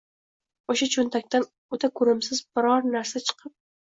o‘sha cho‘ntakdan o‘ta ko‘rimsiz bir narsa chiqib